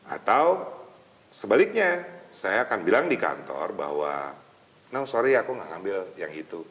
atau sebaliknya saya akan bilang di kantor bahwa no sorry aku gak ngambil yang itu